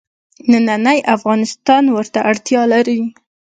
نننی افغانستان ورته اړتیا لري.